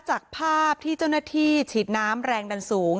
จากภาพที่เจ้าหน้าที่ฉีดน้ำแรงดันสูง